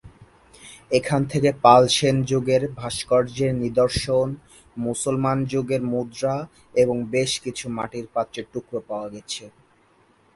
এখান থেকে পাল-সেনযুগের ভাস্কর্যের নিদর্শন, মুসলমান যুগের মুদ্রা এবং বেশ কিছু মাটির পাত্রের টুকরো পাওয়া গেছে।